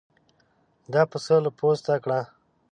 دا پسه له پوسته کړه.